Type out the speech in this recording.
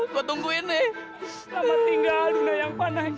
kita nangis sekuat kuat jepang